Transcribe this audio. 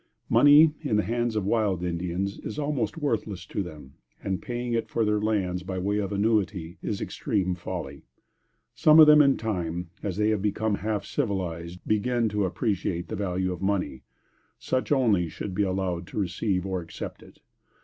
Money, in the hands of wild Indians, is almost worthless to them, and paying it for their lands by way of annuity, is extreme folly. Some of them in time, as they have become half civilized, begin to appreciate the value of money. Such only, should be allowed to receive or accept it.